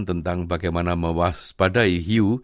tentang bagaimana mewaspadai hiu